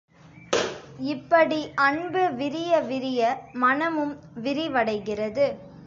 இப்படி அன்பு விரிய விரிய, மனமும் விரிவடைகிறது.